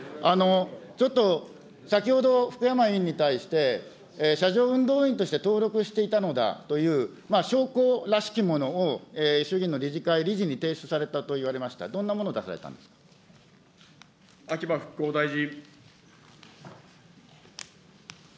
ちょっと先ほど福山委員に対して、車上運動員として登録していたのだという証拠らしきものを、衆議院の理事会理事に提出されたと言われました、秋葉復興大臣。